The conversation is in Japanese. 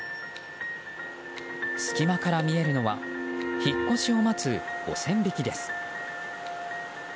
隙間から見えるのは引っ越しを待つ５０００匹です。